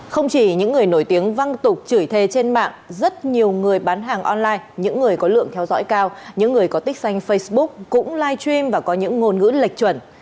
không chỉ những người nổi tiếng văng tục chửi thề trên mạng rất nhiều người bán hàng online những người có lượng theo dõi cao những người có tích xanh facebook cũng live stream và có những ngôn ngữ lệch chuẩn